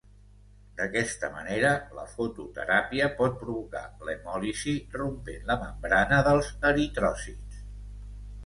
D'aquesta manera la fototeràpia pot provocar l'hemòlisi rompent la membrana dels eritròcits.